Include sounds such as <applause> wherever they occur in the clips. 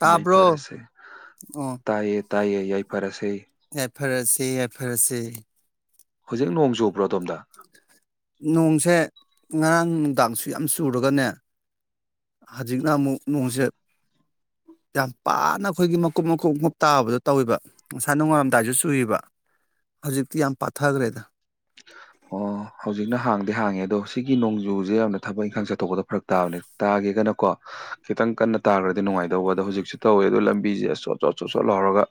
ꯇꯥꯕ꯭ꯔꯣ ꯌꯥꯏꯐꯔꯁꯦ ꯑꯣ ꯇꯥꯏꯌꯦ ꯇꯥꯏꯌꯦ ꯌꯥꯏꯐꯔꯁꯦ ꯌꯥꯏꯐꯔꯁꯦ ꯌꯥꯏꯐꯔꯁꯦ ꯍꯨꯖꯤꯛ ꯅꯣꯡ ꯆꯨꯕ꯭ꯔꯣ ꯑꯗꯣꯝꯗ ꯅꯣꯡꯁꯦ ꯉꯔꯥꯡ ꯅꯨꯡꯗꯥꯡꯁꯨ ꯌꯥꯝ ꯆꯨꯔꯒꯅꯦ ꯍꯖꯤꯛꯅ ꯑꯃꯨꯛ ꯅꯣꯡꯁꯦ ꯌꯥꯝ ꯄꯥꯅ ꯑꯈꯣꯏꯒꯤ ꯃꯀꯨꯞ ꯃꯀꯨꯞ ꯃꯀꯨꯞ ꯇꯥꯕꯗꯣ ꯇꯧꯏꯕ ꯉꯁꯥꯏ ꯅꯣꯡꯉꯥꯜꯂꯝꯗꯥꯏꯁꯨ ꯆꯨꯏꯕ ꯍꯧꯖꯤꯛꯇꯤ ꯌꯥꯝ ꯄꯥꯊꯈ꯭ꯔꯦꯗ ꯑꯣ ꯍꯧꯖꯤꯛꯅ ꯍꯥꯡꯗꯤ ꯍꯥꯡꯉꯦ ꯑꯗꯣ ꯁꯤꯒꯤ ꯅꯣꯡꯖꯨꯁꯦ ꯌꯥꯝꯅ ꯊꯕꯛ ꯏꯪꯈꯥꯡ ꯆꯠꯊꯣꯛꯄꯗ ꯐꯔꯛ ꯇꯥꯕꯅꯦ ꯇꯥꯒꯦꯒꯅꯀꯣ ꯈꯤꯇꯪ ꯀꯟꯅ ꯇꯥꯈ꯭ꯔꯗꯤ ꯅꯨꯡꯉꯥꯏꯗꯧꯕ ꯑꯗꯣ ꯍꯧꯖꯤꯛꯁꯨ ꯇꯧꯋꯦ ꯑꯗꯣ ꯂꯝꯕꯤꯁꯦ ꯑ ꯆꯣꯠ ꯆꯣꯠ ꯆꯣꯠ ꯆꯣꯠ ꯂꯥꯎꯔꯒ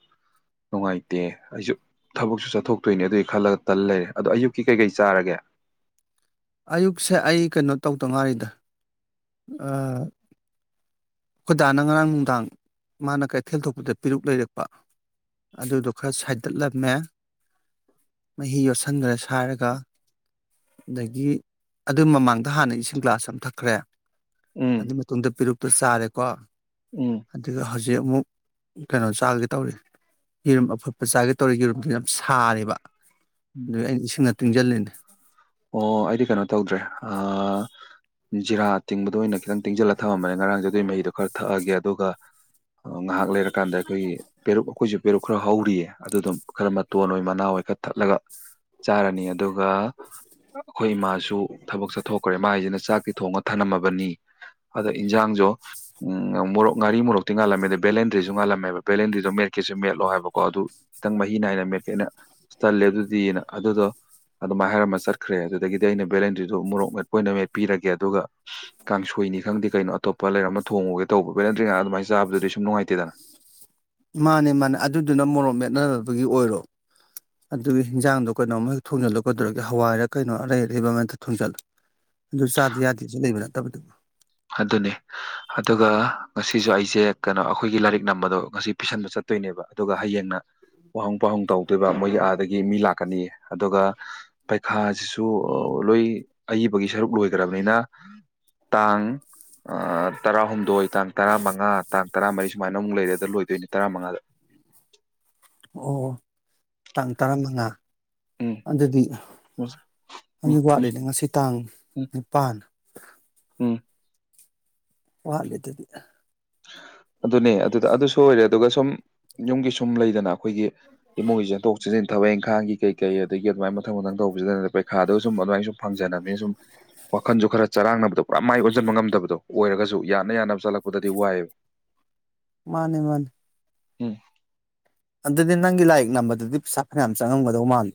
ꯅꯨꯡꯉꯥꯏꯇꯦ ꯑꯩꯁꯨ ꯊꯕꯛꯁꯨ ꯆꯠꯊꯣꯛꯇꯣꯏꯅꯦ ꯑꯗꯨꯒꯤ ꯈꯜꯂꯒ ꯇꯜ ꯂꯩꯔꯦ ꯑꯗꯣ ꯑꯌꯨꯛ ꯀꯤ ꯀꯩ ꯀꯩ ꯆꯥꯔꯒꯦ ꯑꯌꯨꯛꯁꯦ ꯑꯩ ꯀꯩꯅꯣ ꯇꯧꯗꯉꯥꯏꯔꯤꯗ ꯑꯥ ꯈꯣꯏꯗꯥꯅ ꯉꯔꯥꯡ ꯅꯨꯡꯗꯥꯡ ꯃꯥꯅ ꯀꯩꯊꯦꯜ ꯊꯣꯛꯄꯗ ꯄꯦꯔꯨꯛ ꯂꯩꯔꯛꯄ ꯑꯗꯨꯗꯣ ꯈꯔ ꯁꯥꯏꯗꯠꯂꯝꯃꯦ ꯃꯍꯤ ꯌꯣꯠꯁꯟꯒꯔ‌ꯦ ꯁꯥꯔꯒ ꯑꯗꯒꯤ ꯑꯗꯨ ꯃꯃꯥꯡꯗ ꯍꯥꯟꯅ ꯏꯁꯤꯡ ꯒ꯭ꯂꯥꯁ ꯑꯃ ꯊꯛꯈ꯭ꯔꯦ ꯑꯗꯨ ꯎꯝ ꯃꯇꯨꯡꯗ ꯄꯤꯔꯨꯛꯇꯨ ꯁꯥꯔꯦꯀꯣ ꯎꯝ ꯑꯗꯨꯒ ꯍꯧꯖꯤꯛ ꯑꯃꯨꯛ ꯀꯩꯅꯣ ꯆꯥꯒꯦ ꯇꯧꯔꯤ ꯌꯦꯔꯨꯝ ꯑꯐꯨꯠꯄ ꯆꯥꯒꯦ ꯇꯧꯔꯤ ꯌꯦꯔꯨꯝꯗꯨ ꯌꯥꯝ ꯁꯥꯔꯦꯕ ꯎꯝ ꯑꯗꯨꯒꯤ ꯑꯩ ꯏꯁꯤꯡꯅ ꯇꯤꯡꯖꯜꯂꯤꯅꯦ ꯑꯣ ꯑꯩꯗꯤ ꯀꯩꯅꯣ ꯇꯧꯗ꯭ꯔꯦ ꯑ ꯖꯤꯔꯥ ꯇꯤꯡꯕꯗ‌ꯣ ꯑꯣꯏꯅ ꯈꯤꯇꯪ ꯇꯤꯡꯖꯜꯂ ꯊꯃꯝꯕꯅꯦ ꯉꯔꯥꯡꯖ‌ꯦ ꯑꯗꯨꯏ ꯃꯍꯤꯗꯣ ꯈꯔ ꯊꯛꯑꯒꯦ ꯑꯗꯨꯒ ꯑꯩ ꯉꯥꯍꯥꯛ ꯂꯩꯔꯀꯥꯟꯗ ꯑꯩꯈꯣꯏꯒꯤ ꯄꯦꯔꯨꯛ ꯑꯩꯈꯣꯏꯖꯨ ꯄꯦꯔꯨꯛ ꯈꯔ ꯍꯧꯔꯤꯌꯦ ꯑꯗꯨ ꯑꯗꯨꯝ ꯈꯔ ꯃꯇꯣꯟ ꯑꯣꯏ ꯃꯅꯥ ꯑꯣꯏ ꯈꯔ ꯊꯠꯂꯒ ꯆꯥꯔꯅꯤ ꯑꯗꯨꯒ ꯑꯈꯣꯏ ꯏꯃꯥꯁꯨ ꯊꯕꯛ ꯆꯠꯊꯣꯛꯈ꯭ꯔꯦ ꯃꯥꯥꯏꯖꯤꯅ ꯆꯥꯛꯇꯤ ꯊꯣꯡꯉ ꯊꯅꯝꯃꯕꯅꯤ ꯑꯗ ꯏꯟꯖꯥꯡꯖ‌ꯣ ꯎꯝ ꯃꯣꯔꯣꯛ ꯉꯥꯔꯤ ꯃꯣꯔꯣꯛꯇꯤ ꯉꯥꯜꯂꯝꯃꯦꯗ ꯕꯦꯂꯦꯟꯗ꯭ꯔꯤꯖꯨ ꯉꯥꯜꯂꯝꯃꯦꯕ ꯕꯦꯂꯦꯟꯗ꯭ꫪꯤꯗꯣ ꯃꯦꯠꯀꯦꯖꯨ ꯃꯦꯠꯂ‌ꯣ ꯍꯥꯏꯕꯀꯣ ꯑꯗꯨ ꯈꯤꯇꯪ ꯃꯍꯤ ꯅꯥꯏꯅ ꯃꯦꯠꯀꯦꯅ ꯇꯜꯂꯦ ꯑꯗꯨꯗꯤꯅ ꯑꯗꯨꯗꯣ ꯑꯗꯨꯃꯝꯥꯏ ꯍꯥꯏꯔꯃ ꯆꯠ ꯈ꯭ꯔꯦ ꯑꯗꯨꯗꯒꯤ ꯑꯩꯅ ꯚꯦꯂꯦꯟꯇ꯭ꯔꯤꯗ‌ꯣ ꯃꯣꯔꯣꯛ ꯃꯦꯠꯄ ꯑꯣꯏꯅ ꯃꯦꯠꯄꯤꯔꯒꯦ ꯑꯗꯨꯒ ꯀꯥꯡꯁꯣꯏꯅꯤ ꯈꯪꯗꯦ ꯀꯩꯅꯣ ꯑꯇꯣꯞꯄ ꯂꯩꯔ ꯑꯃ ꯊꯣꯡꯉꯨꯒ‌ꯦ ꯇꯧꯕ ꯚ‌ꯦꯂ‌ꯦꯟꯗ꯭ꯔꯤ ꯉꯥꯛ ꯑꯗꯨꯃꯥꯏ ꯆꯥꯕꯗꯨꯗꯤ ꯁꯨꯝ ꯅꯨꯡꯉꯥꯏꯇꯦꯗꯅ ꯃꯥꯅꯦ ꯃꯥꯅꯦ ꯑꯗꯨꯗꯨꯅ ꯃꯣꯔꯣꯛ ꯃꯦꯠꯅꯅꯕꯒꯤ ꯑꯣꯏꯔꯣ ꯑꯗꯨꯒꯤ ꯍꯤꯟꯖꯥꯡꯗꯣ ꯀꯩꯅꯣꯃ ꯍꯦꯛ ꯊꯣꯡꯖꯤꯜꯂ‌ꯣ ꯀꯩꯗꯧꯔꯒꯦ ꯍꯋꯥꯏꯔ ꯀꯩꯅꯣ ꯑꯔꯩ ꯑꯔꯩ ꯕ ꯑꯃ ꯍ‌ꯦ ꯇꯥ ꯊꯣꯡꯖꯤꯜꯂ‌ꯣ ꯑꯗꯨ ꯆꯥꯗꯥ ꯌꯥꯗꯦꯖꯨ ꯂꯩꯕ ꯅꯠꯇꯕꯗꯨꯕꯨ ꯑꯗꯨꯅ‌ꯦ ꯑꯗꯨꯒ ꯉꯁꯤꯁꯨ ꯑꯩꯁꯦ ꯀꯩꯅꯣ ꯑꯩꯈꯣꯏꯒꯤ ꯂꯥꯏꯔꯤꯛ ꯅꯝꯕꯗꯣ ꯉꯁꯤ ꯄꯤꯁꯟꯕ ꯆꯠ ꯇꯣꯏꯅꯦꯕ ꯑꯗꯨꯒ ꯍꯌꯦꯡꯅꯥ ꯋꯥꯍꯪ ꯄꯥꯎꯍꯪ ꯇꯧꯗꯣꯏꯕ ꯃꯣꯏꯒꯤ ꯑꯥꯗꯒꯤ ꯃꯤ ꯂꯥꯛꯀꯅꯤꯌꯦ ꯑꯗꯨꯒ ꯄꯩꯈꯥ ꯁꯨ ꯂꯣꯏ ꯑꯏꯕꯒꯤ ꯁꯔꯨꯛ ꯂꯣꯏꯒ꯭ꯔꯕꯅꯤꯅ ꯇꯥꯡ ꯑꯩ ꯇꯔꯥꯍꯨꯝꯗꯣꯏ ꯇꯥꯡ ꯇꯔꯥꯃꯉꯥ ꯇꯥꯡ ꯇꯔꯥꯃꯔꯤ ꯁꯨꯃꯥꯏꯅ ꯑꯃꯨꯛ ꯂꯩꯔ‌ꯦ ꯑꯗ ꯂꯣꯏꯗꯣꯏꯅ‌ꯦ ꯇꯔꯥꯃꯉꯥꯗ ꯑꯣ ꯇꯥꯡ ꯇꯔꯥꯃꯉꯥ ꯎꯝ ꯑꯗꯨꯗꯤ ꯎꯝ ꯑꯅꯤ ꯎꯝ ꯋꯥꯠꯂꯤꯅꯦ ꯉꯁꯤ ꯇꯥꯡ ꯅꯤꯄꯥꯟ ꯎꯝ ꯋꯥꯠꯂꯤ ꯗꯨꯗꯤ ꯑꯗꯨꯅꯦ ꯑꯗꯨꯗ ꯑꯗꯨꯁꯨ ꯑꯣꯏꯔꯦ ꯑꯗꯨꯒ ꯁꯨꯝ ꯌꯨꯝꯒꯤ ꯁꯨꯝ ꯂꯩꯗꯅ ꯑꯩꯈꯣꯏꯒꯤ ꯏꯃꯨꯡꯒꯤ ꯆ‌ꯦꯟꯊ‌ꯣꯛ ꯁꯤ ꯊꯕꯛ ꯏꯪꯈꯥꯡꯒꯤ ꯀꯩ ꯀꯩ ꯑꯗꯒꯤ ꯑꯗꯨꯃꯥꯏꯅ ꯃꯊꯪ ꯃꯊꯪ ꯇꯧꯕꯁꯤꯗ ꯄꯩꯈꯥꯗꯣ ꯁꯨꯝ ꯑꯗꯨꯃꯥꯏꯅ ꯁꯨꯝ ꯐꯪꯖꯅꯕꯅꯤ ꯁꯨꯝ ꯋꯥꯈꯟꯖꯨ ꯈꯔ ꯆꯔꯥꯡꯅꯕꯗꯣ ꯄꯨꯔꯥ ꯃꯥꯏ ꯑꯣꯟꯖꯤꯟꯕ ꯉꯝꯗꯕꯗꯣ ꯑꯣꯏꯔꯒꯁꯨ ꯌꯥꯅ ꯌꯥꯅꯕ ꯆꯠꯂꯛꯄꯗ ꯗꯤ ꯋꯥꯥꯏ ꯃꯥꯅꯦ ꯃꯥꯅꯦ ꯎꯝ ꯑꯗꯨꯗꯤ ꯅꯪꯒꯤ ꯂꯥꯏꯔꯤꯛ ꯅꯝꯕꯗꯗꯤ ꯄꯩꯁꯥ ꯐꯅꯌꯥꯝ ꯆꯪꯉꯝꯒꯗꯧ ꯃꯥꯜꯂꯤ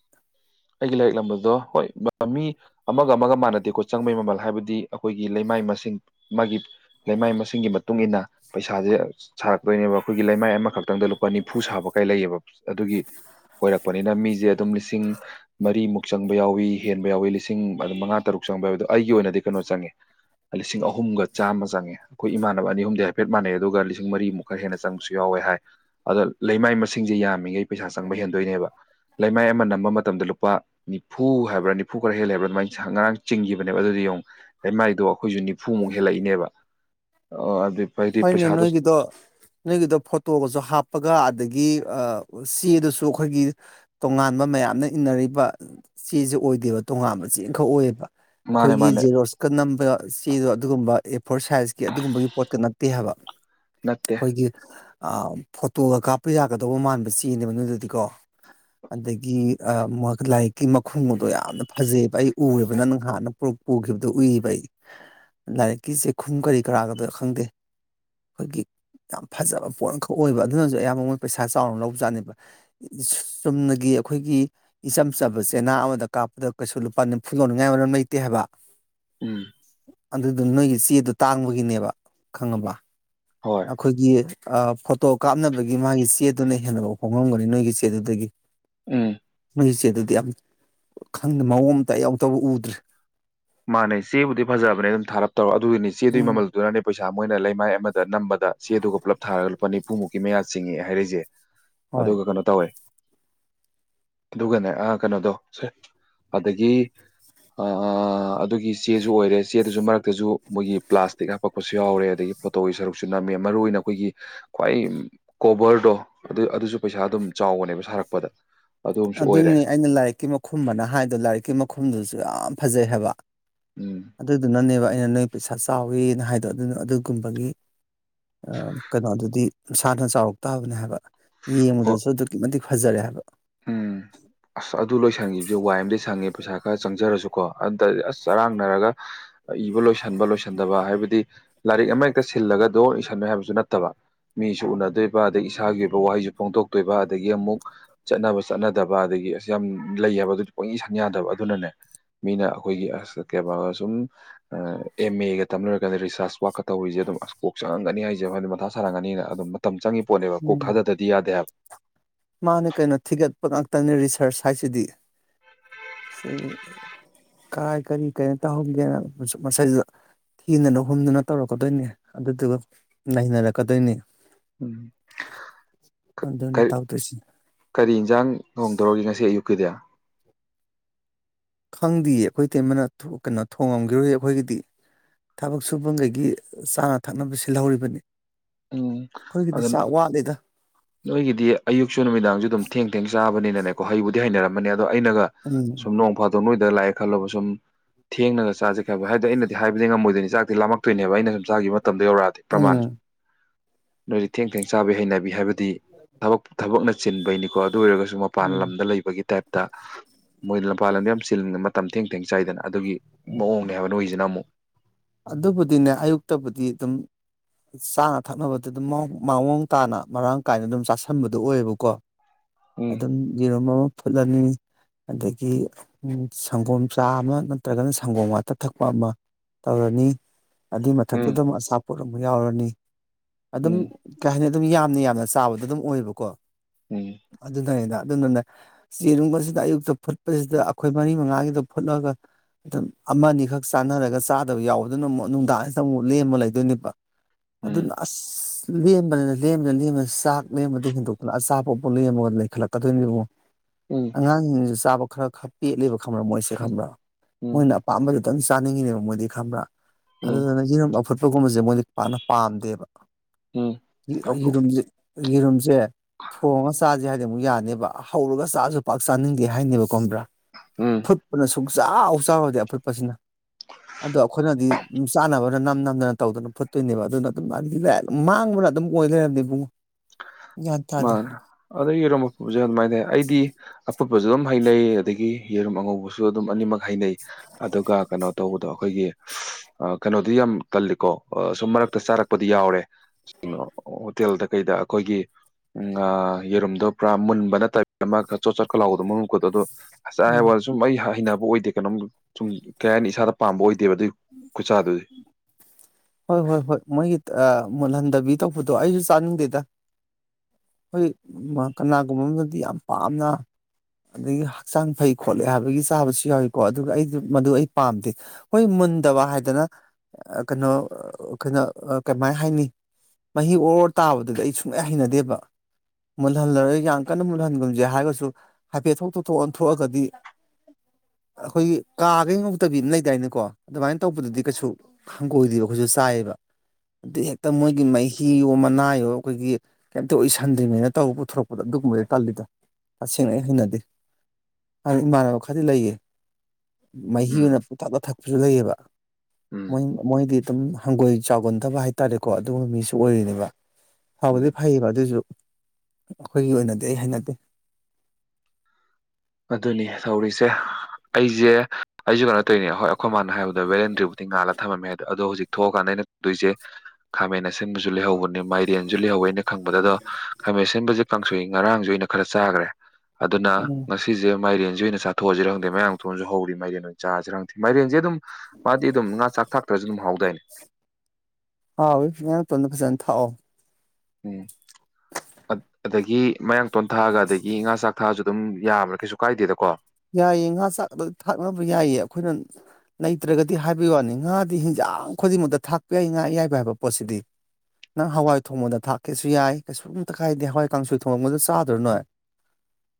ꯑꯩꯒꯤ ꯂꯥꯏꯔꯤꯛ ꯂꯝꯕꯗꯣ ꯍꯣꯏ ꯃꯤ ꯑꯃꯒ ꯑꯃꯒ ꯃꯥꯟꯅꯗꯦꯀꯣ ꯆꯪꯕꯩ ꯃꯃꯜ ꯍꯥꯏꯕꯗꯤ ꯑꯩꯈꯣꯏꯒꯤ ꯂꯩꯃꯥꯏ ꯃꯁꯤꯡ ꯃꯥꯒꯤ ꯂꯩꯃꯥꯏ ꯃꯁꯤꯡꯒꯤ ꯃꯇꯨꯡ ꯏꯟꯅ ꯄꯩꯁꯥꯖ‌ꯦ ꯁꯥꯔꯛꯇꯣꯏꯅꯦꯕ ꯑꯩꯈꯣꯏꯒꯤ ꯂꯩꯃꯥꯏ ꯑꯃꯈꯛ ꯈꯤꯇꯪꯗ ꯂꯨꯄꯥ ꯅꯤꯐꯨ ꯁꯥꯕ ꯀꯩ ꯂꯩꯌꯦꯕ ꯑꯗꯨꯒꯤ ꯑꯣꯏꯔꯛꯄꯅꯤꯅ ꯃꯤꯖ‌ꯦ ꯑꯗꯨꯝ ꯂꯤꯁꯤꯡ ꯃꯔꯤꯃꯨꯛ ꯆꯪꯕ ꯌꯥꯎꯏ ꯍꯦꯟꯕ ꯌꯥꯎꯏ ꯂꯤꯁꯤꯡ ꯑꯗꯨ ꯃꯉꯥ ꯇꯔꯨꯛ ꯆꯪꯕ ꯌꯥꯎꯏ ꯑꯗꯨ ꯑꯩꯒꯤ ꯑꯣꯏꯅꯗꯤ ꯀꯩꯅꯣ ꯆꯪꯉꯦ ꯂꯤꯁꯤꯡ ꯑꯍꯨꯝꯒ ꯆꯥꯝꯃ ꯆꯪꯉꯦ ꯑꯩꯈꯣꯏ ꯏꯃꯥꯟꯅꯕ ꯑꯅꯤ ꯑꯍꯨꯝꯗꯤ ꯍꯥꯏꯐꯦꯠ ꯃꯥꯟꯅꯩ ꯑꯗꯨꯒ ꯂꯤꯁꯤꯡ ꯃꯔꯤꯃꯨꯛ ꯈꯔ ꯍꯦꯟꯅ ꯆꯪꯕꯁꯨ ꯌꯥꯎꯋꯦ ꯍꯥꯏ ꯑꯗꯥ ꯂꯩꯃꯥꯏ ꯃꯁꯤꯡꯖ‌ꯦ ꯌꯥꯝꯃꯤꯉꯩ ꯄꯩꯁꯥ ꯆꯪꯕ ꯍꯦꯟꯗꯣꯏꯅꯦꯕ ꯂꯩꯃꯥꯏ ꯑꯃ ꯅꯝꯕ ꯃꯇꯝꯗ ꯄꯥ ꯅꯤꯐꯨ ꯍꯥꯏꯕ꯭ꯔꯥ ꯅꯤꯐꯨ ꯈꯔꯥ ꯍꯦꯜ ꯍꯥꯏꯕ꯭ꯔꯥ ꯑꯗꯨꯃꯥꯏꯅ ꯉꯔꯥꯡ ꯆꯤꯡꯒꯤꯕꯅꯦꯕ ꯑꯗꯨꯗꯤ ꯌꯦꯡꯉꯨ ꯂꯩꯃꯥꯏꯗꯣ ꯑꯩꯈꯣꯏꯁꯨ ꯅꯤꯐꯨꯃꯨꯛ ꯍꯦꯜꯂꯛꯏꯅꯦꯕ ꯑ ꯑꯗꯨ ꯍꯥꯏꯗꯤ ꯐꯩꯅꯦ ꯄꯩꯁꯥꯗꯣ ꯅꯣꯏꯒꯤꯗꯣ ꯅꯣꯏꯒꯤꯗ‌ꯣ ꯐꯣꯇꯣꯒꯁꯨ ꯍꯥꯞꯄꯒ ꯑꯗꯒꯤ ꯑ ꯆꯦꯗꯨꯁꯨ ꯑꯩꯈꯣꯏꯒꯤ ꯇꯣꯉꯥꯟꯕ ꯃꯌꯥꯝꯅ ꯏꯟꯅꯔꯤꯕ ꯆꯦꯁꯦ ꯑꯣꯏꯗꯦꯕ ꯇꯣꯉꯥꯟꯕ ꯆꯦꯈꯛ ꯑꯣꯏꯌꯦꯕ ꯃꯥꯅꯦ ꯑꯩꯈꯣꯏꯒꯤ ꯃꯥꯅꯦ ꯖꯦꯔꯣꯁꯀ ꯅꯝꯕ ꯆꯦꯗꯣ ꯑꯗꯨꯒꯨꯝꯕ ꯑꯦ ꯐꯣꯔ ꯁꯥꯏꯖꯀꯤ ꯑꯗꯨꯒꯨꯝꯕꯒꯤ ꯄꯣꯠꯀ ꯇꯦ ꯍꯥꯏꯕ ꯅꯠꯇꯦ ꯑꯩꯈꯣꯏꯒꯤ ꯑ ꯐꯣꯇꯣꯒ ꯀꯥꯞꯄ ꯌꯥꯒꯗꯧꯕ ꯃꯥꯟꯕ ꯆꯦꯅꯦꯕ ꯅꯗꯗꯤꯀꯣ ꯑꯗꯒꯤ ꯂꯥꯏꯔꯤꯛꯀꯤ ꯃꯈꯨꯝꯗꯣ ꯌꯥꯝꯅ ꯐꯖꯩꯑꯕ ꯑꯩ ꯎꯔꯦꯕꯅ ꯅꯪ ꯍꯥꯟꯅ ꯄꯨ ꯄꯨꯈꯤꯕꯗꯨꯣ ꯎꯏꯕ ꯑꯩ ꯂꯥꯏꯔꯤꯛꯀꯤ ꯆꯦꯛꯈꯨꯝ ꯀꯔꯤ ꯀꯔꯥꯒꯗꯣꯏ ꯈꯪꯗꯦ ꯑꯩꯈꯣꯏꯒꯤ ꯌꯥꯝ ꯐꯖꯕ ꯄꯣꯠ ꯑꯃꯈꯛ ꯑꯣꯏꯕ ꯑꯗꯨꯅꯁꯨ ꯑꯌꯥꯝꯕ ꯃꯣꯏ ꯄꯩꯁꯥ ꯆꯥꯎꯅ ꯂꯧꯧꯕꯖꯥꯠꯅꯦꯕ ꯆꯨꯝꯅꯒꯤ ꯑꯩꯈꯣꯏꯒꯤ ꯏꯆꯝ ꯆꯝꯕ ꯆꯦꯅꯥ ꯑꯃꯗ ꯀꯥꯞꯄꯗ ꯀꯩꯁꯨ ꯂꯨꯄꯥ ꯅꯤꯝꯐꯨ ꯌꯧꯅꯤꯡꯉꯥꯏ ꯑꯣꯏꯝ ꯂꯩꯇꯦ ꯍꯥꯏꯕ ꯎꯝ ꯑꯗꯨꯗꯨ ꯅꯣꯏꯒꯤ ꯆꯦꯗꯣ ꯇꯥꯡꯕꯒꯤꯅꯦꯕ ꯈꯪꯉꯕ꯭ꯔ ꯍꯣꯏ ꯑꯩꯈꯣꯏꯒꯤ ꯐꯣꯇꯣ ꯀꯥꯞꯅꯕꯒꯤ ꯃꯥꯒꯤ ꯆꯦꯗꯨꯅ ꯍꯦꯟꯅꯕ ꯍꯣꯡꯉꯝꯒꯅꯤ ꯅꯣꯏꯒꯤ ꯆꯦꯗꯨꯗꯒꯤ ꯎꯝ ꯃꯣꯏꯁꯦ ꯑꯗꯨꯗꯤ ꯌꯥꯝ ꯈꯪꯗ ꯃꯑꯣꯡꯇ ꯌꯥꯎꯗꯕ ꯎꯗ꯭ꯔꯦ ꯃꯥꯅꯦ ꯆꯦꯕꯨꯗꯤ ꯐꯖꯕꯅꯦ ꯑꯗꯨꯝ ꯊꯥꯔꯞ ꯇꯧꯔꯣ ꯑꯗꯨꯒꯤꯅꯤ ꯆꯦꯗꯨꯒꯤ ꯎꯝ ꯃꯃꯜ ꯑꯗꯨꯅꯅꯦ ꯄꯩꯁꯥ ꯃꯣꯏꯅ ꯂꯩꯃꯥꯏ ꯑꯃꯗ ꯅꯝꯕꯗ ꯆꯦꯗꯨꯒ ꯄꯨꯂꯞ ꯊꯥꯔꯒ ꯂꯨꯄꯥ ꯅꯤꯐꯨꯃꯨꯛꯀꯤ ꯃꯌꯥ ꯆꯤꯡꯉꯛꯦ ꯍꯥꯏꯔꯤꯁꯦ ꯍꯣꯏ ꯑꯗꯨꯒ ꯀꯩꯅꯣ ꯇꯧꯋꯦ ꯑꯗꯨꯒꯅꯦ ꯑ ꯀꯩꯅꯣꯗꯣ ꯁꯦ ꯑꯗꯒꯤ ꯑꯗꯨꯒꯤ ꯆꯦꯁꯨ ꯑꯣꯏꯔꯦ ꯆꯦꯗꯨꯁꯨ ꯃꯔꯛꯇꯁꯨ ꯃꯣꯏꯒꯤ ꯄ꯭ꯂꯥꯁꯇꯤꯛ ꯍꯥꯞꯄꯛꯄꯁꯨ ꯌꯥꯎꯔꯦ ꯑꯗꯒꯤ ꯐꯣꯇꯣꯒꯤ ꯁꯔꯨꯛꯁꯨ ꯅꯝꯃꯤ ꯃꯔꯨ ꯑꯣꯏꯅ ꯑꯈꯣꯏꯒꯤ ꯈ꯭ꯋꯥꯏ ꯀꯣꯕꯔꯗꯣ ꯑꯗꯨ ꯑꯗꯨꯁꯨ ꯄꯩꯁꯥ ꯑꯗꯨꯝ ꯆꯥꯎꯕꯅꯦꯕ ꯁꯥꯔꯛꯄꯗ ꯑꯗꯨ ꯑꯃꯁꯨ ꯑꯣꯏꯔꯦ ꯑꯗꯨꯅꯤ ꯑꯩꯅ ꯂꯥꯏꯔꯤꯛꯀꯤ ꯃꯈꯨꯝꯑꯅ ꯍꯥꯏꯗꯣ ꯂꯥꯏꯔꯤꯛꯀꯤ ꯃꯈꯨꯝꯗꯨꯁꯨ ꯌꯥꯝ ꯐꯖꯩ ꯍꯥꯏꯕ ꯎꯝ ꯑꯗꯨꯗꯨꯅꯅꯦꯕ ꯑꯩꯅ ꯅꯣꯏ ꯄꯩꯁꯥ ꯆꯥꯎꯋꯦꯅ ꯍꯥꯏꯗꯣ ꯑꯗꯨꯅ ꯑꯗꯨꯒꯨꯝꯕꯒꯤ ꯀꯩꯅꯣꯗꯨꯗꯤꯁꯥꯗꯅ ꯆꯥꯎꯔꯛ ꯇꯥꯕꯅꯦ ꯍꯥꯏꯕ ꯍꯣꯏ ꯌꯦꯡꯕꯗꯁꯨ ꯑꯗꯨꯛꯀꯤ ꯃꯇꯤꯛ ꯐꯖꯔꯦ ꯍꯥꯏꯕ ꯎꯝ ꯑꯁ ꯑꯗꯨ ꯂꯣꯏ ꯁꯪꯈꯤꯕꯁꯦ ꯋꯥꯏ ꯑꯃꯗꯤ ꯁꯪꯉꯦ ꯄꯩꯁꯥ ꯈꯔ ꯆꯪꯖꯔꯁꯨ ꯀꯣ ꯑꯗꯨꯗ ꯑꯁ ꯆꯔꯥꯡꯅꯔꯒ ꯏꯕ ꯂꯣꯏꯁꯟꯕ ꯂꯣꯏꯁꯟꯗꯕ ꯍꯥꯏꯕꯗꯤ ꯂꯥꯏꯔꯤꯛ ꯑꯃ ꯍꯦꯛꯇ ꯁꯤꯜꯂꯒ ꯗꯣꯛ ꯏꯁꯟꯕꯩ ꯍꯥꯏꯕꯁꯨ ꯅꯠꯇꯕ ꯃꯤꯁꯨ ꯎꯅꯗꯣꯏꯕ ꯑꯗꯒꯤ ꯏꯁꯥꯒꯤ ꯑꯣꯏꯕ ꯋꯥꯍꯩꯁꯨ ꯐꯣꯡꯗꯣꯛꯇꯣꯏꯕ ꯑꯗꯒꯤ ꯑꯃꯨꯛ ꯆꯠꯅꯕ ꯆꯠꯅꯗꯕ ꯑꯗꯒꯤ ꯑꯁ ꯌꯥꯝ ꯂꯩ ꯍꯥꯏꯕ ꯑꯗꯨꯗꯤ ꯄꯪꯏ ꯏꯁꯟ ꯌꯥꯗꯕ ꯑꯗꯨꯅꯅꯦ ꯃꯤꯅ ꯑꯈꯣꯏꯒꯤ ꯑꯁ ꯀꯩꯕ ꯁꯨꯝ ꯑꯦꯝ ꯑꯦꯒ ꯇꯝ ꯂꯣꯏꯔ ꯀꯥꯟꯗ ꯔꯤꯁꯥꯔꯁ ꯋꯥꯛꯀ ꯇꯧꯔꯤꯁꯦ ꯑꯗꯨꯝ ꯑꯁ ꯀꯣꯛ ꯆꯪꯉꯝꯒꯅꯤ ꯍꯥꯏꯁꯦ ꯍꯥꯏꯗꯤ ꯃꯊꯥ ꯁꯥꯔꯝꯒꯅꯤꯅ ꯑꯗꯨꯝ ꯃꯇꯝ ꯆꯪꯉꯤ ꯄꯣꯠꯅꯦꯕ ꯀꯣꯛ ꯊꯥꯗꯗꯤ ꯌꯥꯗꯦ ꯍꯥꯏꯕ ꯃꯥꯅꯦ ꯀꯩꯅꯣ ꯊꯤꯒꯠꯄ ꯉꯥꯛꯇꯅꯦ ꯔꯤꯁꯔꯁ ꯍꯥꯏꯁꯤꯗꯤ ꯀꯔꯥꯏ ꯀꯔꯤ ꯀꯩꯅꯣ ꯇꯧꯍꯧꯒꯦꯅ ꯃꯁꯩꯁꯤꯗ ꯍꯤꯅꯅ ꯍꯨꯝꯗꯅ ꯇꯧꯔꯛꯀꯗꯣꯏꯅꯤ ꯑꯗꯨꯗꯨꯒ ꯅꯩꯅꯔꯛꯀꯗꯣꯏꯅꯤ ꯎꯝ ꯑꯗꯨꯅꯤ <unintelligible> ꯇꯧꯗꯣꯏꯁꯤ ꯀꯔꯤ ꯏꯟꯖꯥꯡ ꯊꯣꯡꯗꯧꯔꯒꯦ ꯉꯁꯤ ꯑꯌꯨꯛꯀꯤꯗꯤ ꯈꯪꯗꯦꯌꯦ ꯑꯩꯈꯣꯏ ꯇꯩꯃꯅ ꯀꯩꯅꯣ ꯊꯣꯡꯉꯝꯈꯤꯔꯣꯏ ꯑꯩꯈꯣꯏꯒꯤꯗꯤ ꯊꯕꯛ ꯁꯨꯕꯈꯩꯒꯤ ꯆꯥꯅ ꯊꯛꯅꯕ ꯁꯤꯜꯍꯧꯔꯤꯕꯅꯤ ꯎꯝ ꯑꯩꯈꯣꯏꯒꯤꯗꯤ ꯑꯗꯨꯝ ꯆꯥꯛ ꯋꯥꯠꯂꯤꯗ ꯅꯣꯏꯒꯤꯗꯤ ꯑꯌꯨꯛꯁꯨ ꯅꯨꯃꯤꯗꯥꯡꯁꯨ ꯑꯗꯨꯝ ꯊꯦꯡ ꯊꯦꯡ ꯆꯥꯕꯅꯤꯅꯅꯦꯀꯣ ꯍꯩꯕꯨꯗꯤ ꯍꯩꯅꯔꯝꯃꯅꯤ ꯑꯗꯣ ꯑꯩꯅꯒ ꯎꯝ ꯁꯨꯝ ꯅꯣꯡ ꯐꯥꯗꯣꯛ ꯅꯣꯏꯗ ꯂꯥꯛꯑꯦ ꯈꯜꯂꯣꯕ ꯁꯨꯝ ꯊꯦꯡꯅꯒ ꯆꯥꯁꯦ ꯀꯩꯕ ꯍꯥꯏꯗꯤ ꯑꯩꯅꯗꯤ ꯍꯥꯏꯕꯗꯤ ꯉꯝꯃꯣꯏꯗꯣꯏꯅꯤ ꯆꯥꯛꯇꯤ ꯂꯥꯝꯂꯛꯇꯣꯏꯅꯦꯕ ꯑꯩꯅ ꯁꯨꯝ ꯆꯥꯈꯤꯕ ꯃꯇꯝꯗ ꯌꯧꯔꯛꯑꯗꯤ ꯄ꯭ꯔꯃꯥꯅꯤ ꯎꯝ ꯅꯣꯏꯗꯤ ꯊꯦꯡ ꯊꯦꯡ ꯆꯥꯕꯩ ꯍꯩꯅꯕꯤ ꯍꯥꯏꯕꯗꯤ ꯊꯕꯛ ꯊꯕꯛꯅ ꯆꯤꯟꯕꯩꯅꯤꯀꯣ ꯑꯗꯨ ꯑꯣꯏꯔꯒꯁꯨ ꯃꯄꯥꯟ ꯎꯝ ꯂꯝꯗ ꯂꯩꯕꯒꯤ ꯇꯥꯏꯞꯇ ꯃꯣꯏ ꯃꯄꯥꯜ ꯂꯝꯗ ꯌꯥꯝ ꯆꯤꯜꯂꯤꯗꯅ ꯃꯇꯝ ꯊꯦꯡ ꯊꯦꯡ ꯆꯥꯏꯗꯅ ꯑꯗꯨꯒꯤ ꯃꯑꯣꯡꯅꯦ ꯍꯥꯏꯕ ꯅꯣꯏꯒꯤꯁꯤꯅ ꯑꯃꯨꯛ ꯑꯗꯨꯕꯨꯗꯤꯅꯦ ꯑꯌꯨꯛꯇꯕꯨꯗꯤ ꯑꯗꯨꯝ ꯆꯥꯅ ꯊꯛꯅꯕꯗ ꯑꯗꯨꯝ ꯃꯑꯣꯡ ꯇꯥꯅ ꯃꯔꯥꯡ ꯀꯥꯏꯅ ꯑꯗꯨꯝ ꯆꯥꯥꯁꯟꯕꯗꯣ ꯑꯣꯏꯌꯦꯕꯀꯣ <inaudible> ꯑꯗꯨꯝ ꯌꯦꯔꯨꯝ ꯑꯃ ꯐꯨꯠꯂꯅꯤ ꯑꯗꯒꯤ ꯁꯪꯒꯣꯝ ꯆꯥ ꯑꯃ ꯅꯠꯇ꯭ꯔꯒꯅ ꯁꯪꯒꯣꯝ ꯉꯥꯛꯇ ꯊꯛꯄ ꯑꯃ ꯇꯧꯔꯅꯤ ꯑꯗꯨꯏ ꯎꯝ ꯃꯊꯛꯇꯨꯗ ꯑꯃꯨꯛ ꯑꯆꯥꯄꯣꯠ ꯑꯃꯨꯛ ꯌꯥꯎꯔꯅꯤ ꯑꯗꯨꯝ ꯎꯝ ꯀꯩ ꯍꯥꯏꯅꯤ ꯑꯗꯨꯝ ꯌꯥꯝꯅ ꯌꯥꯝꯅ ꯆꯥꯕꯗꯣ ꯑꯗꯨꯝ ꯑꯣꯏꯌꯦꯕꯀꯣ ꯎꯝ ꯑꯗꯨꯅꯅꯤꯗ ꯑꯗꯨꯅꯅꯦ ꯆꯦꯔꯨꯝꯒꯁꯤꯗ ꯑꯌꯨꯛꯇ ꯐꯨꯠꯄꯁꯤꯗ ꯑꯈꯣꯏ ꯃꯔꯤ ꯃꯉꯥꯒꯤꯗ ꯐꯨꯠꯂꯒ ꯑꯗꯨꯝ ꯑꯃ ꯑꯅꯤꯈꯛ ꯆꯥꯟꯅꯔꯒ ꯆꯥ ꯗꯥꯕ ꯌꯥꯎꯕꯗꯨꯅ ꯑꯃꯨꯛ ꯅꯨꯡꯗꯥꯡꯁꯤꯗ ꯑꯃꯨꯛ ꯂꯦꯝꯃ ꯂꯩꯗꯣꯏꯅꯦꯕ ꯎꯝ ꯑꯗꯨꯅ ꯑꯁ ꯂꯦꯝꯕꯅꯤꯅ ꯂꯦꯝꯕꯗꯅ ꯂꯦꯝꯕꯅ ꯆꯥꯛ ꯂꯦꯝꯕꯗ ꯍꯦꯟꯗꯣꯛꯇꯅ ꯑꯆꯥꯄꯣꯠꯐꯧ ꯂꯦꯝꯃꯒ ꯂꯩꯈꯠꯂꯛꯀꯗꯣꯏꯅꯦꯕꯣ ꯎꯝ ꯑꯉꯥꯡꯁꯤꯡꯁꯤ ꯆꯥꯕ ꯈꯔ ꯈꯔ ꯄꯦꯠꯂꯧꯕ ꯈꯪꯕ꯭ꯔꯥ ꯃꯣꯏꯁꯦ ꯎꯝ ꯈꯪꯕ꯭ꯔꯥ ꯎꯝ ꯃꯣꯏꯅ ꯄꯥꯝꯕꯗꯨꯇꯪ ꯆꯥꯅꯤꯡꯉꯤꯅꯦꯕ ꯃꯣꯏꯗꯤ ꯈꯪꯕ꯭ꯔꯥ ꯎꯝ ꯑꯗꯨꯗꯨꯅ ꯌꯦꯔꯨꯝ ꯑꯐꯨꯠꯄꯒꯨꯝꯕꯁꯦ ꯃꯣꯏꯗꯤ ꯄꯥꯛꯅ ꯄꯥꯝꯗꯦꯕ ꯎꯝ ꯂꯧꯊꯣꯛ ꯌꯦꯔꯨꯝꯁꯦ ꯌꯦꯔꯨꯝꯁꯦ ꯊꯣꯡꯉꯒ ꯆꯥꯁꯦ ꯍꯥꯏꯗꯤ ꯑꯃꯨꯛ ꯌꯥꯅꯦꯕ ꯍꯧꯔꯒ ꯆꯥꯁꯨ ꯄꯥꯛ ꯆꯥꯅꯤꯡꯗꯦ ꯍꯥꯏꯅꯦꯕ ꯈꯪꯕ꯭ꯔꯥ ꯎꯝ ꯐꯨꯠꯄꯅ ꯁꯨꯡꯆ ꯆꯥꯎ ꯌꯥꯗꯦ ꯑꯐꯨꯠꯄꯁꯤꯅ ꯑꯗꯣ ꯑꯩꯈꯣꯏꯅꯗꯤ ꯆꯥꯅꯕꯅ ꯅꯝ ꯅꯝꯗꯅ ꯇꯧꯗꯅ ꯐꯨꯠꯇꯣꯏꯅꯦꯕ ꯑꯗꯨꯅ ꯑꯗꯨꯝꯗꯤ <unintelligible> ꯃꯥꯡꯕꯅ ꯑꯗꯨꯝ ꯑꯣꯏ ꯂꯩꯔꯕꯅꯦ ꯏꯕꯨꯡꯉꯣ ꯒ꯭ꯌꯥꯟ ꯇꯥꯗꯦ ꯃꯥꯅꯦ ꯑꯗꯩ ꯌꯦꯔꯨꯝ ꯑꯄꯨꯠꯕꯁꯦ ꯑꯗꯨꯃꯥꯏꯅ ꯂꯩ ꯑꯩꯗꯤ ꯑꯐꯨꯠꯄꯁꯨ ꯑꯗꯨꯝ ꯍꯩ ꯂꯩꯩ ꯑꯗꯒꯤ ꯌꯦꯔꯨꯝ ꯑꯉꯧꯕꯁꯨ ꯁꯨ ꯑꯗꯨꯝ ꯑꯅꯤꯃꯛ ꯍꯩꯅꯩ ꯑꯗꯨꯒ ꯀꯩꯅꯣ ꯇꯧꯕꯗꯣ ꯑꯩꯈꯣꯏꯒꯤ ꯀꯩꯅꯣꯗꯤ ꯌꯥꯝ ꯀꯜꯂꯤꯀꯣ ꯁꯨꯝ ꯃꯔꯛꯇ ꯆꯥꯔꯛꯄꯗꯤ ꯌꯥꯎꯔꯦ ꯑꯣ ꯍꯣꯇꯦꯜꯗ ꯀꯩꯗ ꯑꯈꯣꯏꯒꯤ ꯉ ꯌꯦꯔꯨꯝꯗꯣ ꯄꯨꯔꯥ ꯃꯨꯟꯕ ꯅꯠꯇꯕꯤ ꯑꯃ ꯆꯣꯠ ꯆꯣꯠ ꯀ ꯂꯥꯎꯒꯗꯕ ꯃꯃꯨꯠꯀꯗꯣ ꯑꯗꯣ ꯆꯥ ꯎꯝ ꯍꯥꯏꯕ ꯁꯨꯝ ꯑꯩ ꯍꯩꯅꯕ ꯑꯣꯏꯗꯦ ꯀꯩꯅꯣꯝ ꯁꯨꯝ ꯀꯩ ꯍꯥꯏꯅꯤ ꯏꯁꯥꯗ ꯄꯥꯝꯕ ꯑꯣꯏꯗꯦꯕ ꯑꯗꯨꯏ ꯈꯨꯆꯥꯗꯨꯗꯤ ꯍꯣꯏ ꯍꯣꯏ ꯍꯣꯏ ꯃꯣꯏꯒꯤ ꯃꯨꯜꯍꯟꯗꯕꯤ ꯇꯧꯕꯗꯣ ꯑꯩꯁꯨ ꯆꯥꯅꯤꯡꯗꯦꯗ ꯑꯩꯈꯣꯏ ꯀꯅꯥꯒꯨꯝꯕ ꯑꯃꯅꯗꯤ ꯌꯥꯝ ꯄꯥꯝꯅ ꯑꯗꯒꯤ ꯍꯛꯆꯥꯡ ꯐꯩ ꯈꯣꯠꯂꯦ ꯍꯥꯏꯕꯒꯤ ꯆꯥꯕꯁꯨ ꯌꯥꯎꯏꯤꯀꯣ ꯑꯗꯨꯒ ꯑꯩ ꯃꯗꯨ ꯑꯩ ꯄꯥꯝꯗꯦ ꯍꯣꯏ ꯃꯨꯟꯗꯕ ꯍꯥꯏꯗꯅ ꯀꯩꯅꯣ ꯀꯩꯅꯣꯅꯣ ꯀꯃꯥꯏ ꯍꯥꯏꯅꯤ ꯃꯍꯤ ꯑꯣꯔ ꯑꯣꯔ ꯇꯥꯕꯗꯨꯗꯤ ꯑꯩ ꯁꯨꯡꯍꯩ ꯍꯩꯅꯗꯦꯕ ꯃꯨꯜꯍꯜꯂꯔꯣꯏ ꯌꯥꯝ ꯀꯟꯅ ꯃꯨꯜꯍꯟꯒꯨꯝꯁꯦ ꯍꯥꯏꯔꯒꯁꯨ ꯍꯥꯏꯐꯦꯠ ꯊꯣꯛ ꯇꯣ ꯊꯣꯛ ꯑꯣꯟ ꯊꯣꯛꯑꯒꯗꯤ ꯑꯩꯈꯣꯏꯒꯤ ꯀꯥꯒꯩ ꯉꯧꯗꯕꯤ ꯑꯃ ꯂꯩꯗꯥꯏꯅꯦꯀꯣ ꯑꯗꯨꯃꯥꯏꯅ ꯇꯧꯕꯗꯗꯤ ꯀꯩꯁꯨ ꯍꯪꯒꯣꯏꯗꯕ ꯑꯩꯈꯩꯁꯨ ꯆꯥꯏꯑꯦꯕ ꯑꯗꯩ ꯍꯦꯛꯇ ꯃꯣꯏꯒꯤ ꯃꯍꯤꯌꯣ ꯃꯅꯥꯏꯌꯣ ꯑꯩꯈꯣꯏꯒꯤ ꯀꯩꯝꯇ ꯑꯣꯏꯁꯟꯗ꯭ꯔꯤꯃꯤꯅ ꯇꯧꯔꯒ ꯄꯨꯊꯣꯔꯛꯄꯗꯣ ꯑꯗꯨꯒꯨꯝꯕꯗꯣ ꯇꯜꯂꯤꯗ ꯇꯁꯦꯡꯅ ꯑꯩ ꯍꯩꯅꯗꯦ <unintelligible> ꯏꯃꯥꯟꯅꯕ ꯈꯔꯗꯤ ꯂꯩꯌꯦ ꯃꯍꯤ ꯎꯝ ꯑꯣꯏꯅ ꯄꯪꯊꯥꯛꯇ ꯊꯛꯄꯁꯨ ꯂꯩꯌꯦꯕ ꯎꯝ ꯃꯣꯏ ꯃꯣꯏꯗꯤ ꯑꯗꯨꯝ ꯍꯪꯒꯣꯏ ꯆꯥꯎꯒꯟꯗꯕ ꯍꯥꯏꯇꯥꯔꯦꯀꯣ ꯑꯗꯨꯒꯨꯝꯕ ꯃꯤꯁꯨ ꯑꯣꯏꯔꯤꯅꯦꯕ ꯎꯝ ꯍꯥꯎꯕꯗꯤ ꯐꯩꯌꯦꯕ ꯑꯗꯨꯁꯨ ꯑꯩꯈꯣꯏꯒꯤ ꯑꯣꯏꯅꯗꯤ ꯑꯩ ꯍꯩꯅꯗꯦ ꯑꯗꯨꯅꯤ ꯇꯧꯔꯤꯁꯦ ꯑꯩꯁꯦ ꯑꯩꯁꯨ ꯀꯩꯅꯣ ꯇꯧꯔꯤꯅꯦ ꯑꯩꯍꯣꯏ ꯑꯩꯈꯣꯏ ꯃꯥꯅ ꯍꯥꯏꯗ ꯕꯦꯂꯦꯟꯇ꯭ꯔꯤꯨꯕꯨꯗꯤ ꯉꯥꯜꯂ ꯊꯃꯝꯃꯦ ꯑꯗꯣ ꯍꯧꯖꯤꯛ ꯊꯣꯛꯑꯀꯥꯟꯗ ꯑꯩꯅ ꯇꯣꯏꯁꯦ ꯈꯥꯃꯦꯟ ꯑꯁꯤꯟꯕꯁꯨ ꯂꯩꯍꯧꯕꯅꯤ ꯃꯥꯏꯔꯦꯟꯁꯨ ꯂꯩꯍꯧꯋꯦ ꯑꯩꯅ ꯈꯪꯕꯗ ꯑꯗꯣ ꯈꯥꯃꯦꯟ ꯑꯁꯤꯟꯕꯁꯦ ꯀꯥꯡꯁꯣꯏ ꯉꯔꯥꯡꯁꯨ ꯑꯩꯅ ꯈꯔ ꯆꯥꯈ꯭ꯔꯦ ꯑꯗꯨꯅ ꯎꯝ ꯁꯤꯁꯦ ꯃꯥꯏꯔꯦꯟꯁꯦ ꯑꯣꯏꯅ ꯆꯥꯊꯣꯛꯑꯁꯤꯔ ꯈꯪꯗꯦ ꯃꯌꯥꯡ ꯃꯇꯣꯟꯁꯨ ꯍꯧꯔꯤ ꯃꯥꯏꯔꯦꯟ ꯑꯣꯏꯅ ꯆꯥꯁꯤꯔ ꯈꯪꯗꯦ ꯃꯥꯏꯔꯦꯟꯁꯦ ꯑꯗꯨꯝ ꯃꯥꯗꯤ ꯑꯗꯨꯝ ꯉꯥ ꯆꯥꯛ ꯊꯥꯛꯇ꯭ꯔꯁꯨ ꯑꯗꯨꯝ ꯍꯥꯎꯗꯥꯏꯅꯦ ꯍꯥꯎꯏ ꯃꯌꯥꯡꯇꯣꯟꯗꯣ ꯐꯖꯅ ꯊꯥꯛꯑꯣ ꯑꯦ ꯑꯗꯒꯤ ꯃꯌꯥꯡꯇꯣꯟ ꯊꯥꯛꯑꯒ ꯑꯗꯒꯤ ꯉꯥ ꯆꯥꯛ ꯊꯥꯛꯑꯁꯨ ꯑꯗꯨꯝ ꯌꯥꯕ꯭ꯔꯥ ꯀꯩꯁꯨ ꯀꯥꯏꯗꯦꯗꯀꯣ ꯌꯥꯏꯌꯦ ꯉꯥ ꯆꯥꯛ ꯑꯗꯨ ꯊꯥꯛꯅꯕ ꯌꯥꯏꯌꯦ ꯑꯩꯈꯣꯏꯅ ꯂꯩꯇ꯭ꯔꯒꯗꯤ ꯍꯥꯏꯕꯒꯤ ꯋꯥꯅꯤ ꯉꯥꯗꯤ ꯍꯤꯟꯖꯥꯡ ꯈꯨꯗꯤꯡꯃꯛꯇ ꯊꯥꯛꯄ ꯌꯥꯏ ꯉꯥ ꯑꯌꯥꯏꯕ ꯍꯥꯏꯕ ꯄꯣꯠꯁꯤꯗꯤ ꯅꯪ ꯍꯋꯥꯏ ꯊꯣꯡꯕꯗ ꯊꯥꯛꯀꯦꯁꯨ ꯌꯥꯏ ꯀꯩꯁꯨꯝꯇ ꯀꯥꯏꯗꯦ ꯍꯋꯥꯏ ꯀꯥꯡꯁꯣꯏ ꯊꯣꯡꯕꯒ ꯆꯥꯗ꯭ꯔꯣ ꯅꯣꯏ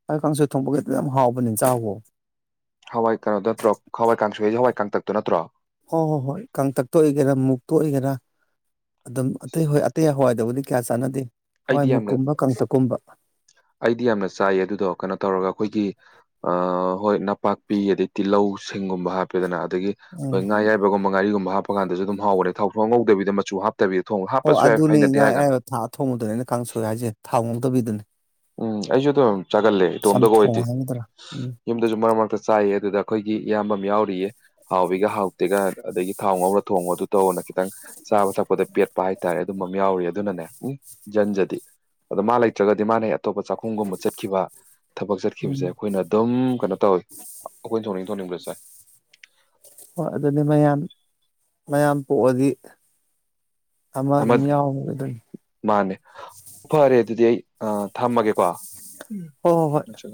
ꯍꯋꯥꯏ ꯀꯥꯡꯁꯣꯏ ꯊꯣꯡꯕꯒꯗꯣ ꯌꯥꯝ ꯍꯥꯎꯕꯅꯤ ꯆꯥꯑꯣ ꯍꯋꯥꯏ ꯀꯩꯅꯣꯗꯣ ꯅꯠꯇ꯭ꯔꯣ ꯍꯋꯥꯏ ꯀꯥꯡꯁꯣꯏꯖꯦ ꯍꯋꯥꯏ ꯀꯥꯡꯇꯛꯇꯣ ꯅꯠꯇ꯭ꯔꯣ ꯍꯣꯏ ꯍꯣꯏ ꯍꯣꯏ ꯀꯥꯡꯇꯛꯇ ꯑꯣꯏꯒꯦꯔꯥ ꯃꯨꯛꯇ ꯑꯣꯏꯒꯦꯔꯥ ꯑꯗꯨꯝ ꯑꯇꯩ ꯍꯣꯏ ꯑꯇꯩ ꯍꯋꯥꯏꯗꯕꯨꯗꯤ ꯀꯌꯥ ꯆꯥꯟꯅꯗꯦ ꯑꯩꯗꯤ ꯍꯋꯥꯏꯃꯨꯛ ꯌꯥꯝꯅ ꯀꯨꯝꯕ ꯀꯪꯇꯛꯀꯨꯝꯕ ꯑꯩꯗꯤ ꯌꯥꯝꯅ ꯆꯥꯏꯌꯦ ꯑꯗꯨꯗꯣ ꯀꯩꯅꯣ ꯇꯧꯔꯒ ꯑꯩꯈꯣꯏꯒꯤ ꯑ ꯍꯣꯏ ꯅꯄꯥꯛꯄꯤ ꯑꯗꯩ ꯇꯤꯜꯍꯧ ꯁꯤꯡꯒꯨꯝꯕ ꯍꯥꯞꯄꯦꯗꯅ ꯑꯗꯒꯤ ꯎꯝ ꯍꯣꯏ ꯉꯥ ꯑꯌꯥꯏꯕꯒꯨꯝꯕ ꯉꯥꯔꯤꯒꯨꯝꯕ ꯍꯥꯞꯄ ꯀꯥꯟꯗꯁꯨ ꯑꯗꯨꯝ ꯍꯥꯎꯕꯅꯦ ꯊꯥꯎ ꯁꯨꯉꯧ ꯉꯧꯗꯕꯤꯗ ꯃꯆꯨ ꯍꯥꯞ ꯇꯕꯤ ꯊꯣꯡꯕ ꯍꯥꯞꯄꯁꯨ ꯌꯥꯏ ꯍꯩꯅꯗꯦ ꯍꯥꯏꯒ ꯊꯥ ꯊꯣꯡꯕꯗꯨꯅꯦ ꯑꯩꯅ ꯀꯥꯡꯁꯣꯏ ꯍꯥꯏꯁꯦ ꯊꯥꯎ ꯉꯧꯗꯕꯤꯗꯨꯅꯦ ꯎꯝ ꯑꯩꯁꯨ ꯑꯗꯨꯝ ꯆꯥꯒꯂꯦ ꯏꯇꯣꯝꯇꯒ ꯆꯝꯊꯣꯡ ꯑꯣꯏꯗꯤ ꯍꯥꯏꯒꯗ꯭ꯔꯥ ꯎꯝ ꯌꯨꯝꯗꯁꯨ ꯃꯔꯛ ꯃꯔꯛꯇ ꯆꯥꯏꯑꯦ ꯑꯗꯨꯗ ꯑꯩꯈꯣꯏꯒꯤ ꯏꯌꯥꯝꯕꯝ ꯌꯥꯎꯔꯤꯌꯦ ꯍꯥꯎꯏꯒ ꯍꯥꯎꯇꯦꯒꯅ ꯑꯗꯒꯤ ꯊꯥꯎ ꯉꯧꯔ ꯊꯣꯡꯉꯣ ꯑꯗꯨ ꯇꯧꯅ ꯈꯤꯇꯪ ꯆꯥꯕ ꯊꯛꯄꯗ ꯄꯦꯠꯄ ꯍꯥꯏꯇꯥꯔꯦ ꯑꯗꯨꯝꯕꯝ ꯌꯥꯎꯔꯤꯌꯦ ꯑꯗꯨꯅꯅꯦ ꯎꯝ ꯖꯟꯖꯗꯤ ꯑꯗꯣ ꯃꯥ ꯂꯩꯇ꯭ꯔꯒꯗꯤ ꯃꯥꯅꯦ ꯑꯇꯣꯞꯄ ꯆꯥꯛꯈꯨꯝꯒꯨꯝꯕ ꯆꯠꯈꯤꯕ ꯊꯕꯛ ꯆꯠꯈꯤꯕꯁꯦ ꯎꯝ ꯑꯩꯈꯣꯏꯅ ꯗꯨꯝ ꯀꯩꯅꯣ ꯇꯧꯋꯤ ꯑꯩꯈꯣꯏꯅ ꯊꯣꯡꯅꯤꯡ ꯊꯣꯡꯅꯤꯡꯕ ꯆꯥꯏ ꯍꯣꯏ ꯑꯗꯨꯗꯤ ꯃꯌꯥꯝ ꯃꯌꯥꯝ ꯄꯣꯛꯑꯗꯤ ꯑꯃ ꯑꯗꯨꯝ ꯌꯥꯎꯕ ꯑꯗꯨꯅꯤ ꯃꯥꯅꯦ ꯐꯔꯦ ꯑꯗꯨꯗꯤ ꯑꯩ ꯑꯥ ꯊꯝꯃꯒꯦꯀꯣ ꯎꯝ ꯍꯣꯏ ꯍꯣꯏ ꯍꯣꯏ ꯅꯠꯇ꯭ꯔꯒ